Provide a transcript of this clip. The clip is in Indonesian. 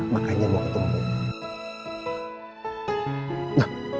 makanya mau ketemu